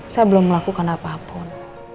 saya belum melakukan apapun